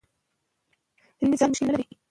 هیله مند انسان د ژوند مشکلات حل کوي.